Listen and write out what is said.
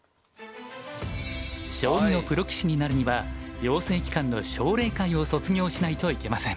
将棋のプロ棋士になるには養成機関の奨励会を卒業しないといけません。